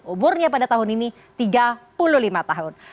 umurnya pada tahun ini tiga puluh lima tahun